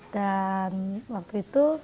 dan waktu itu